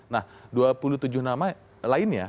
nah dua puluh tujuh nama lainnya